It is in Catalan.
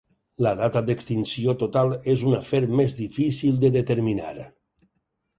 La data d'extinció total és un afer més difícil de determinar.